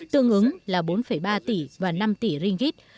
tương ứng là bốn ba tỷ và năm tỷ ringgit